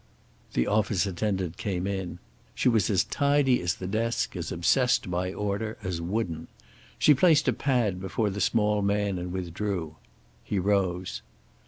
The office attendant came in. She was as tidy as the desk, as obsessed by order, as wooden. She placed a pad before the small man and withdrew. He rose.